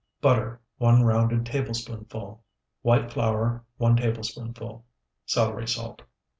Butter, 1 rounded tablespoonful. White flour, 1 tablespoonful. Celery salt.